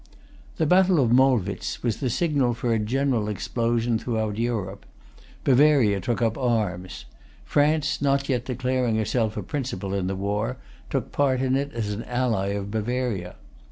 The battle of Molwitz was the signal for a general explosion throughout Europe. Bavaria took up arms. France, not yet declaring herself a principal in the war, took part in it as an ally of Bavaria.